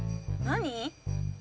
何？